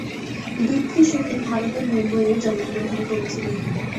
দীপ্তি সতী ভারতের মুম্বইয়ে জন্মগ্রহণ করেছিলেন।